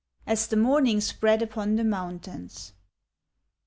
" cAs the morning spread upon the mountains.